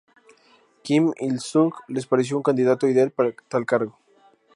Kim Il-sung les pareció un candidato ideal para tal cargo.